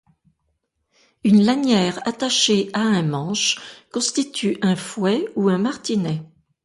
Une lanière attachée à un manche constitue un fouet ou un martinet.